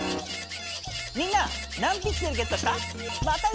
みんな何ピクセルゲットした？